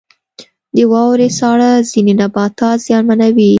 • د واورې ساړه ځینې نباتات زیانمنوي.